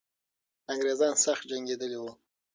انګریزان سخت جنګېدلي وو.